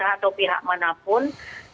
atau pihak manapun